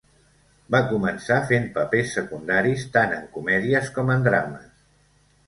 Va començar fent papers secundaris tant en comèdies com en drames.